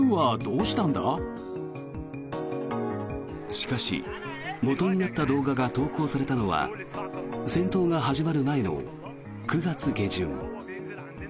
しかし、元になった動画が投稿されたのは戦闘が始まる前の９月下旬。